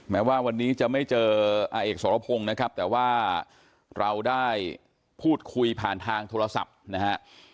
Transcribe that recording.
แม้ว่าวันนี้จะไม่เจออาเอกสรพงศ์นะครับแต่ว่าเราได้พูดคุยผ่านทางโทรศัพท์นะฮะ